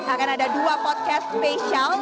akan ada dua podcast spesial